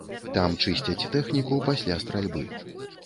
Там чысцяць тэхніку пасля стральбы.